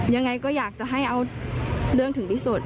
ยังไงก็อยากจะให้เอาเรื่องถึงที่สุด